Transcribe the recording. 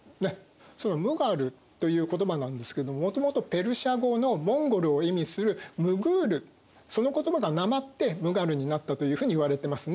その「ムガル」という言葉なんですけどもともとペルシャ語の「モンゴル」を意味する「ムグール」その言葉がなまってムガルになったというふうにいわれてますね。